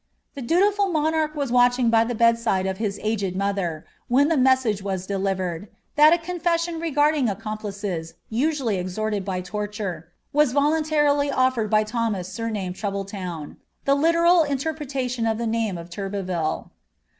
The dutifnl monarch was watching by ihe bedside of his agwi rnMbt, when the messaee was detivcred, lhai a confession regarding arrmii pi ices, usually exlorled by loriure, was voluniarily offered by Ttionw sumamed Troubletown," ihe liieral interpretation of the name of Torte ville.